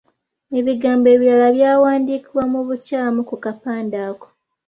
Ebigambo ebirala byawandiikibwa mu bukyamu ku kapande ako.